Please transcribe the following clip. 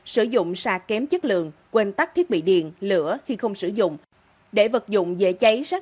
sử dụng sạc kém chất lượng quên tắt thiết bị điện lửa khi không sử dụng để vật dụng dễ cháy sát